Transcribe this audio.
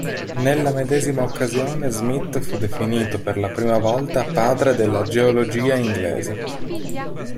Nella medesima occasione Smith fu definito per la prima volta "padre della geologia inglese".